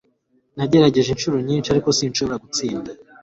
Nagerageje inshuro nyinshi, ariko sinshobora gutsinda.